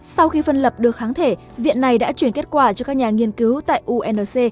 sau khi phân lập được kháng thể viện này đã chuyển kết quả cho các nhà nghiên cứu tại unc